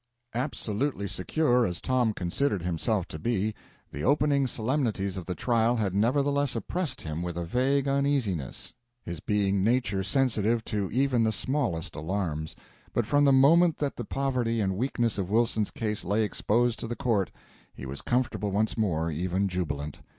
Absolutely secure as Tom considered himself to be, the opening solemnities of the trial had nevertheless oppressed him with a vague uneasiness, his being a nature sensitive to even the smallest alarms; but from the moment that the poverty and weakness of Wilson's case lay exposed to the court, he was comfortable once more, even jubilant.